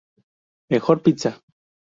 Mejor pizza.